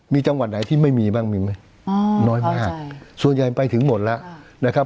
มีจังหวัดไหนที่ไม่มีบ้างมีไหมน้อยมากส่วนใหญ่ไปถึงหมดแล้วนะครับ